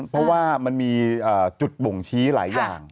เพราะว่ามันมีจุดบ่งชี้หลายอย่าง